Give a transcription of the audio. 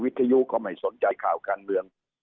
ทยุเขาไม่สนใจข่าวการเมือง